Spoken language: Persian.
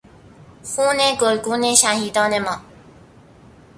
خون گلگون شهیدان ما